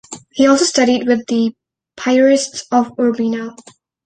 He also studied with the Piarists of Urbino.